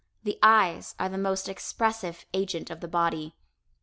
The eyes are the most expressive agent of the body.